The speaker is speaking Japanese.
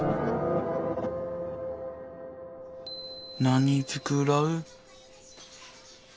何作ろう。